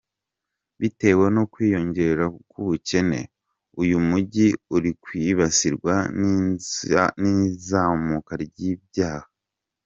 Bitewe no kwiyongera kubukene , uyu mujyi uri kwibasirwa n’izamuka ry’ibyaha.